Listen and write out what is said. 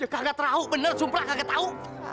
kagak tahu bener sumpah kagak tahu